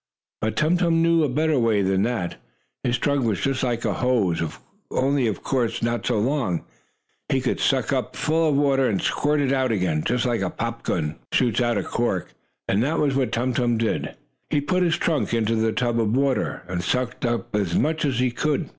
But Tum Tum knew a better way than that. His trunk was just like a hose, only, of course, not so long. He could suck it up full of water, and squirt it out again, just like a pop gun shoots out a cork. And that was what Tum Tum did. He put his trunk into the tub of water, and sucked up as much as he could.